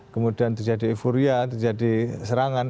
kemudian terjadi euforia terjadi serangan